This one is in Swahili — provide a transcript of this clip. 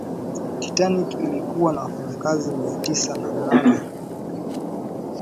titanic ilikuwa na wafanyikazi mia tisa na nane